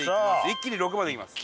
一気に６まで行きます。